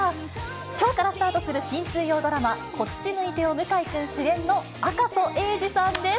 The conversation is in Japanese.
きょうからスタートする新水曜ドラマ、こっち向いてよ向井くん主演の赤楚衛二さんです。